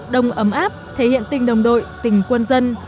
đông ấm áp thể hiện tình đồng đội tình quân dân